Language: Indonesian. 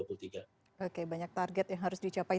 oke banyak target yang harus dicapai